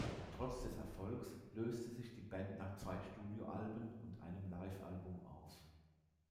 Trotz des Erfolgs löste sich die Band nach zwei Studioalben und einem Livealbum auf.